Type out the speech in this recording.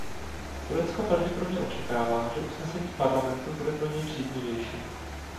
Turecko pravděpodobně očekává, že usnesení Parlamentu bude pro něj příznivější.